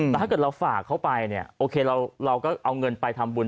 แต่ถ้าเกิดเราฝากเขาไปเนี่ยโอเคเราก็เอาเงินไปทำบุญ